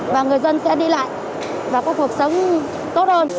và người dân sẽ đi lại và có cuộc sống tốt hơn